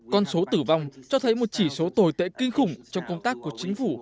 con số tử vong cho thấy một chỉ số tồi tệ kinh khủng trong công tác của chính phủ